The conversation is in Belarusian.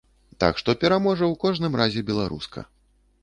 Так што пераможа, у кожным разе, беларуска.